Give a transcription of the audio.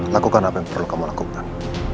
lakukan apa yang perlu kamu lakukan